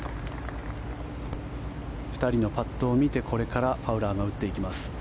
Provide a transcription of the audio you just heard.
２人のパットを見てこれからファウラーが打っていきます。